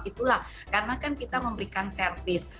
itulah karena kan kita memberikan servis